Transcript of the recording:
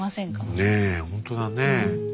ねえほんとだねえ。